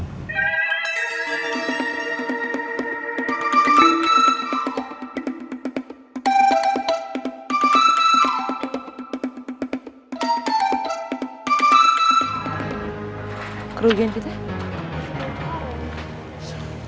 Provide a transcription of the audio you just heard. bapa aku dari jakarta